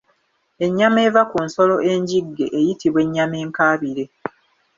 Ennyama eva ku nsolo enjigge eyitibwa Ennyama enkaabire.